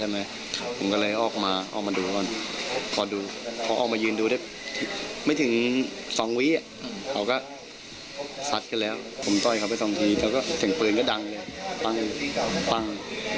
ผมต้อยเขาไปสองทีแล้วก็เสียงปืนก็ดังเลยปั้งปั้ง